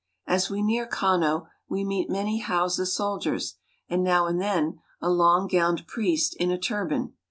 As we near Kano we meet many Hausa soldiers and, now and then, a long gowned priest in a turban.